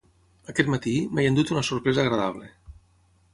Aquest matí, m’he endut una sorpresa agradable.